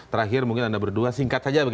terakhir mungkin anda berdua singkat saja